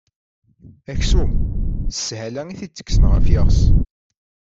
Aksum, s sshala i t-id-tekksen ɣef yiɣes.